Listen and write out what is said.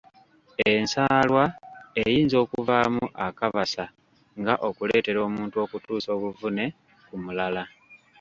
Ensaalwa eyinza okuvaamu akabasa nga okuleetera omuntu okutuusa obuvume ku mulala